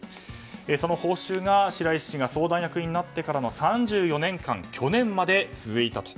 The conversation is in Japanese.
その報酬が白石氏が相談役になってからの３４年間去年まで続いたと。